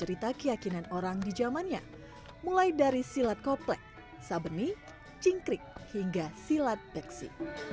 cerita keyakinan orang di zamannya mulai dari silat koplek sabeni cingkrik hingga silat beksi